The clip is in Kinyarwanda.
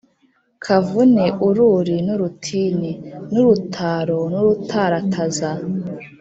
«kavune ururi n'urutini/ n'urutaro n'urutarataza/